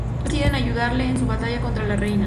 Los tres deciden ayudarle en su batalla contra la Reina.